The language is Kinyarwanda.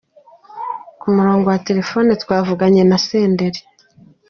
Ku murongo wa Telefone twavuganye na Senderi.